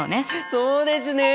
そうですね！